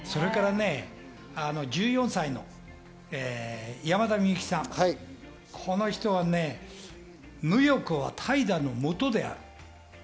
また１４歳の山田美幸さん、この人は無欲は怠惰のもとである。